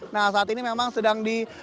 nah saat ini memang sedang di